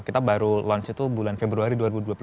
kita baru launch itu bulan februari dua ribu dua puluh tiga